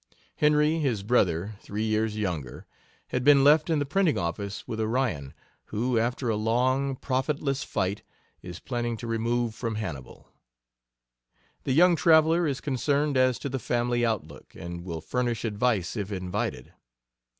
Henry, his brother, three years younger, had been left in the printing office with Orion, who, after a long, profitless fight, is planning to remove from Hannibal. The young traveler is concerned as to the family outlook, and will furnish advice if invited.